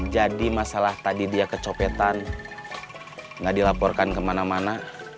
jadi masalah tadi dia kecopetan gak dilaporkan kemana mana